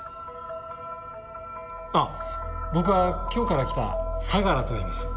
ああ僕は今日から来た相良と言います。